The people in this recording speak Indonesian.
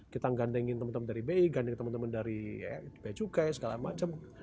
kita mengganding teman teman dari bi mengganding teman teman dari becukai segala macam